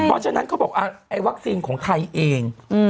เพราะฉะนั้นเขาบอกไอ้วัคซีนของไทยเอง